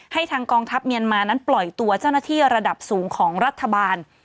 ทางกองทัพเมียนมานั้นปล่อยตัวเจ้าหน้าที่ระดับสูงของรัฐบาล